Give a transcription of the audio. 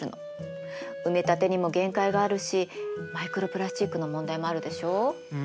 埋め立てにも限界があるしマイクロプラスチックの問題もあるでしょう。